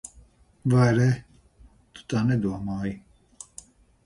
Vai ne? Tu tā nedomāji.